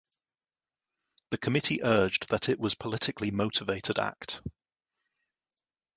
The committee urged that it was politically motivated act.